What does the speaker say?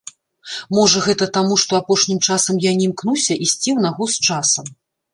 Можа, гэта таму, што апошнім часам я не імкнуся ісці ў нагу з часам.